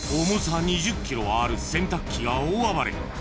［重さ２０ｋｇある洗濯機が大暴れ］